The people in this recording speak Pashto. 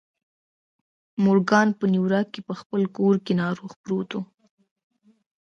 مورګان په نيويارک کې په خپل کور کې ناروغ پروت و.